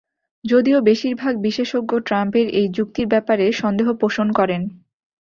যদিও বেশির ভাগ বিশেষজ্ঞ ট্রাম্পের এই যুক্তির ব্যাপারে সন্দেহ পোষণ করেন।